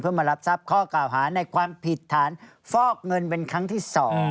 เพื่อมารับทราบข้อกล่าวหาในความผิดฐานฟอกเงินเป็นครั้งที่๒